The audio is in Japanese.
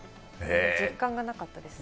実感がなかったですね。